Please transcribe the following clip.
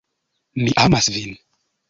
Mi amas vin!